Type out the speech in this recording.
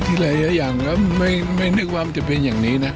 ก็ทีละเยอะอย่างแล้วไม่ไม่นึกว่ามันจะเป็นอย่างนี้น่ะ